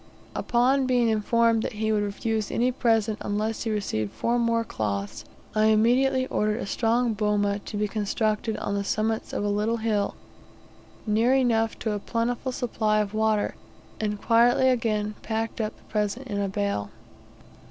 Upon being informed that he would refuse any present, unless he received four more cloths, I immediately ordered a strong boma to be constructed on the summits of a little hill, near enough to a plentiful supply of water, and quietly again packed up the present in the bale.